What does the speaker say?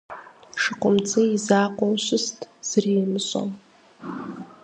ШыкъумцӀий и закъуэу щыст зыри имыщӏэу.